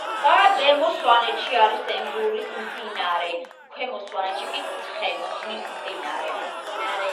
ზემო სვანეთში არის ენგურის მდინარეა. ქვემო სვანეთში კი ცხენოსნის მდინარე.